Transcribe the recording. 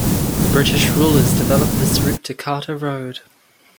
Then the British rulers developed this route to Carter road.